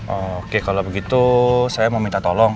oke kalau begitu saya mau minta tolong